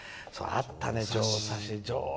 あったね、状差し。